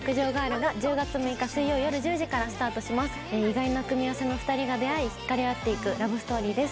意外な組み合わせの２人が出会い引かれ合って行くラブストーリーです。